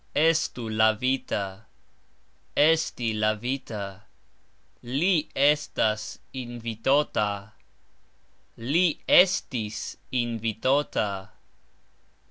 Estu lavita. Esti lavita. Li estas invitota. Li estis invitota.